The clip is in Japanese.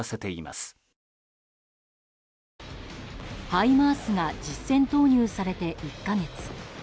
ハイマースが実戦投入されて１か月。